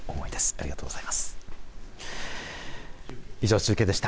ありがとうございます。